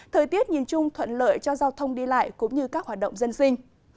thời tiết nhìn chung thuận lợi cho giao thông đi lại cũng như các hoạt động dân sinh